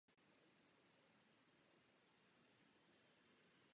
Klidně mi v pondělí ráno ještě napiš a domluvíme se.